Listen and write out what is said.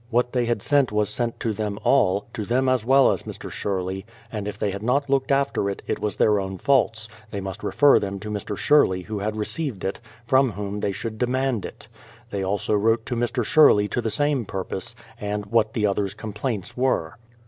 What they had sent was sent to them all, to them as well as Mr. Sherley, and if they had not looked after it, it was their own faults ; they must refer them to Mr. Sherley who had received it, from whom they should demand it. They also wrote to Mr. Sherley to the same purpose, and what the others' complaints were.